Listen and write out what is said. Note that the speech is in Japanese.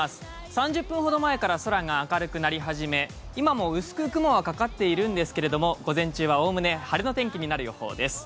３０分ほど前から空が明るくなり始め、今も薄く雲がかかっているんですけれども午前中は概ね晴れの天気になりそうです。